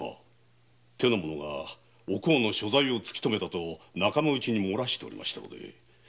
手の者がお甲の所在を突きとめたと仲間に洩らしておりましたので。